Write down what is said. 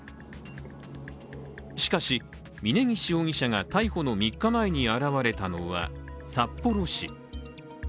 しかし、峯岸容疑者が逮捕の３日前に現れたのは札幌市。